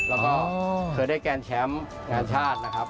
แล้วก็เคยได้แกนแชมป์งานชาตินะครับ